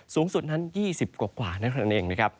สูงสุดนั้น๒๐กว่านั่นเองนะครับ